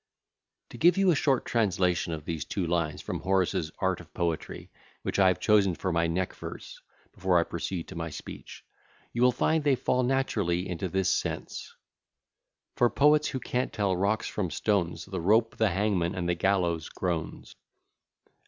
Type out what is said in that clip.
To give you a short translation of these two lines from Horace's Art of Poetry, which I have chosen for my neck verse, before I proceed to my speech, you will find they fall naturally into this sense: For poets who can't tell [high] rocks from stones, The rope, the hangman, and the gallows groans.